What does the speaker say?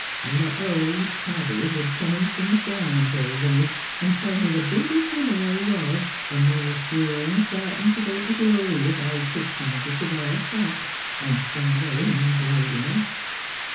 A lot o' old tabbies would come and sing psalms over me, and tell me the bigger sinner I was the more sure and sarten to go to glory if I took kindly to their tracts, and sung their hymns loud enough.